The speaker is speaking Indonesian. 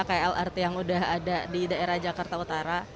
kayak lrt yang udah ada di daerah jakarta utara